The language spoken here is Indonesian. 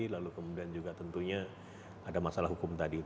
lalu kemudian juga tentunya ada masalah hukum tadi